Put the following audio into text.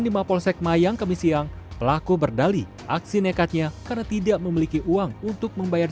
di mapolsek mayang kami siang pelaku berdali aksi nekatnya karena tidak memiliki uang untuk membayar